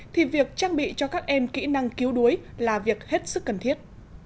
thì việc trang bị cho các em kỹ năng cứu đuối là việc hết sức cần thiết